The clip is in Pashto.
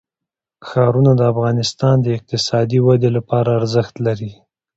ښارونه د افغانستان د اقتصادي ودې لپاره ارزښت لري.